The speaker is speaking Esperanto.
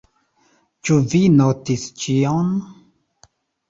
Ĉu vi notis ĉion?